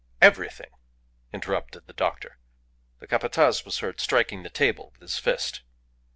"Everything!" interrupted the doctor. The Capataz was heard striking the table with his fist.